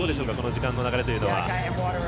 時間の流れというのは。